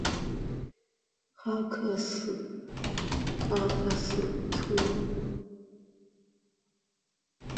哈克特斯敦是美国纽泽西州沃伦郡的一个城市。